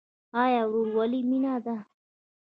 آیا ورورولي مینه ده؟